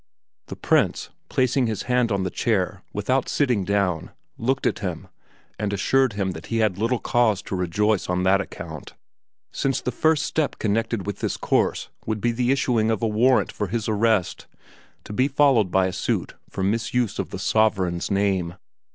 The Prince, placing his hand on the chair without sitting down, looked at him, and assured him that he had little cause to rejoice on that account since the first step connected with this course would be the issuing of a warrant for his arrest, to be followed by a suit for misuse of the sovereign's name.